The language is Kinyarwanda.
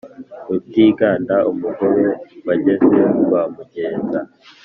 Rutiganda umugobe wageze rwa mugenza,